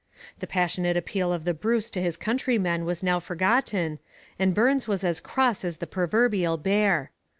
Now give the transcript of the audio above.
The passionate appeal of the Bruce to his countrymen was now forgotten, and Burns was as cross as the proverbial bear.